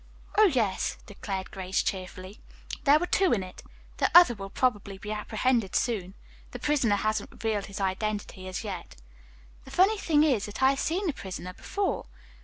"Oh, yes," declared Grace cheerfully. "There were two in it. The other will probably be apprehended soon. The prisoner hasn't revealed his identity, as yet. The funny thing is that I had seen the prisoner before.